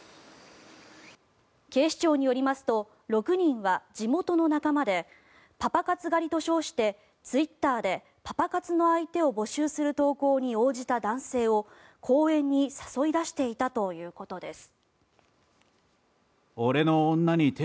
警視庁によりますと６人は地元の仲間でパパ活狩りと称してツイッターでパパ活の相手を募集する投稿に応じた男性を公園に誘い出していたということです。